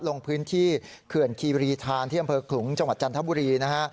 ลงพื้นที่เขื่อนคีรีธานที่อำเภอขลุงจังหวัดจันทบุรีนะฮะ